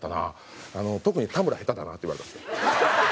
「特に田村下手だな」って言われたんですよ。